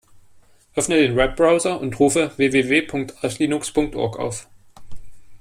Öffne den Webbrowser und rufe www.archlinux.org auf.